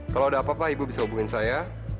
kalau ada apa apa ibu bisa hubungin saya